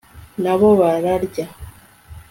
na bo bararya